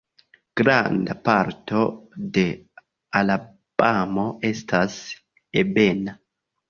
Granda parto de Alabamo estas ebena.